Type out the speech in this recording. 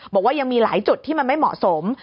บอกว่ายังมีหลายจุดที่มันไม่เหมาะสม